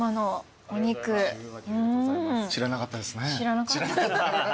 知らなかったですね。